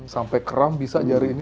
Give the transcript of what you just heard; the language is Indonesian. sampai keram bisa jari ini